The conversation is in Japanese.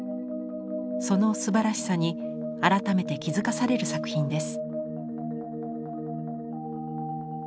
そのすばらしさに改めて気付かされる作品です。